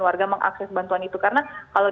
warga mengakses bantuan itu karena kalau